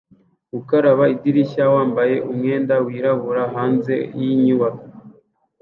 Gukaraba idirishya wambaye umwenda wirabura hanze yinyubako